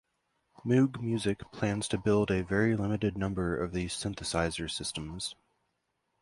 Moog Music plans to build a very limited number of these synthesizer systems.